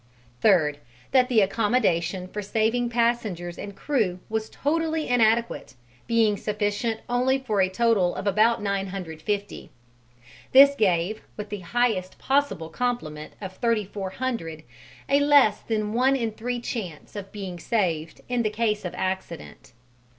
Third, that the accommodation for saving passengers and crew was totally inadequate, being sufficient only for a total of about 950. This gave, with the highest possible complement of 3400, a less than one in three chance of being saved in the case of accident.